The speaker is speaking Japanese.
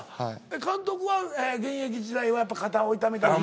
監督は現役時代は肩を痛めたり肘を。